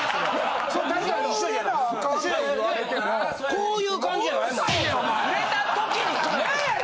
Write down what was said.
こういう感じじゃないもんな。